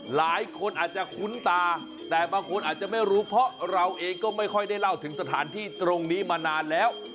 หลายคนอาจจะคุ้นตาแต่บางคนอาจจะไม่รู้เพราะเราเองก็ไม่ค่อยได้เล่าถึงสถานที่ตรงนี้มานานแล้ว